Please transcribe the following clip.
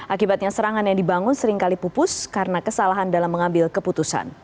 akibatnya serangan yang dibangun seringkali pupus karena kesalahan dalam mengambil keputusan